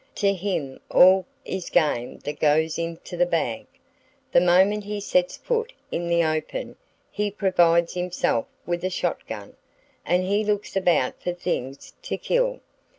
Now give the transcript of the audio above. To him all is game that goes into the bag. The moment he sets foot in the open, he provides himself with a shot gun, and he looks about for things to kill.